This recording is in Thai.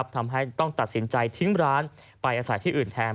ทำให้ต้องตัดสินใจทิ้งร้านไปอาศัยที่อื่นแทน